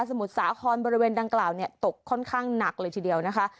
มุทรสาครบริเวณดังกล่าวเนี่ยตกค่อนข้างหนักเลยทีเดียวนะคะ